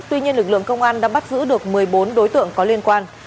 tuy nhiên lực lượng công an đã bắt giữ được một mươi bốn đối tượng có liên quan